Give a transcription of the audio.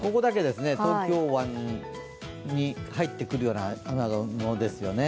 東京湾に入ってくるような雨雲ですよね。